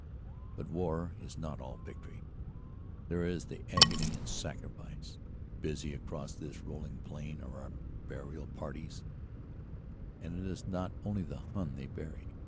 But war is not all victory. There is the agony and sacrifice. Busy across this rolling plain are our burial parties and it is not only the Hun they bury.